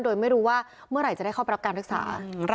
โดยไม่รู้ว่าเมื่อไหร่จะได้เข้าไปรับการรักษา